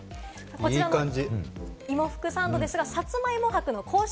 こちらの芋福サンドはさつまいも博の公式